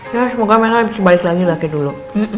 ya semoga mbak mbak bisa balik lagi lah kayak dulu